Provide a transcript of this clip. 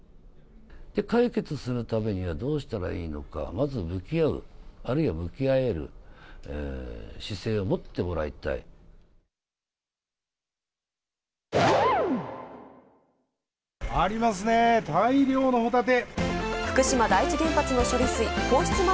解決するためにはどうしたらいいのか、まず向き合う、あるいは向き合える姿勢を持ってもらいたい。ありますね、大量のホタテ。